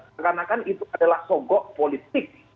karena itu adalah sogo politik